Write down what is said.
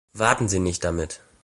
Warten Sie nicht damit!